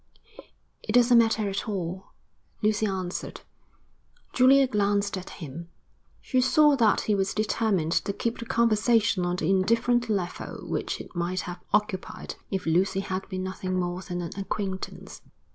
'It doesn't matter at all,' Lucy answered. Julia glanced at him. She saw that he was determined to keep the conversation on the indifferent level which it might have occupied if Lucy had been nothing more than an acquaintance.